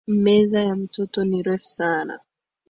Meza ya mtoto ni refu sana